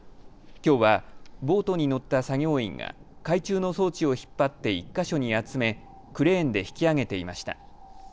きょうはボートに乗った作業員が海中の装置を引っ張って１か所に集めクレーンで引きあげていました。